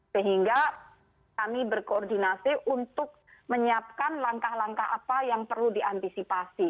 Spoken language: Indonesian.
sehingga kami berkoordinasi untuk menyiapkan langkah langkah apa yang perlu diantisipasi